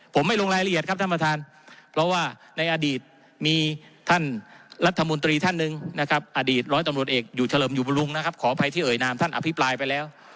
ผมไม่ลงรายละเอียดครับท่านประธานเพราะว่าในอดีตมีท่านรัฐมนตรีท่านหนึ่งนะครับอดีตร้อยตำรวจเอกอยู่เฉลิมอยู่บำรุงนะครับขออภัยที่เอ่ยนามท่านอภิปรายไปแล้ว